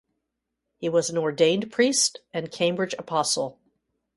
He was an ordained priest and Cambridge Apostle.